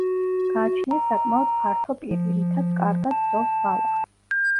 გააჩნია საკმაოდ ფართო პირი, რითაც კარგად ძოვს ბალახს.